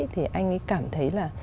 thì anh ấy cảm thấy là